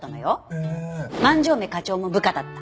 万城目課長も部下だった。